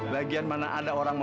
siapa ini gaten ya